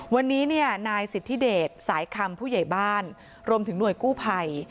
วันนี้นายสิทธิเดชสายคำผู้ใหญ่บ้านรวมถึงหน่วยกู้ภัย